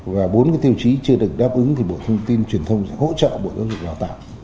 và bốn cái tiêu chí chưa được đáp ứng thì bộ thông tin truyền thông sẽ hỗ trợ bộ giáo dục và đào tạo